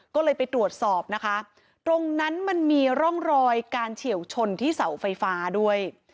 ก็เลยไปตรวจสอบนะคะตรงนั้นมันมีร่องรอยการเฉียวชนที่เสาไฟฟ้าด้วย